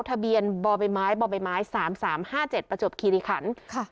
ทะเบียนบ่อใบไม้บ่อใบไม้สามสามห้าเจ็ดประจบคีริขันต์ค่ะ